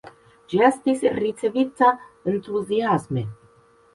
Ĝi estis ricevita entuziasme.